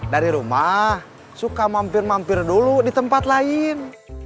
dari rumah suka mampir mampir dulu di tempat lain